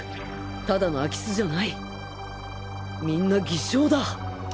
ただの空き巣じゃないみんな偽証だ。